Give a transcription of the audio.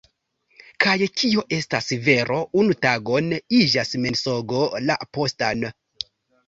Kaj kio estas vero unu tagon iĝas mensogo la postan.